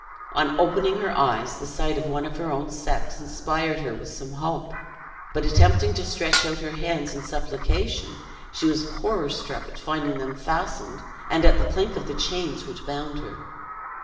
On opening her eyes, the sight of one of her own sex inspired her with some hope; but attempting to stretch out her hands in supplication, she was horror struck at finding them fastened, and at the clink of the chains which bound her.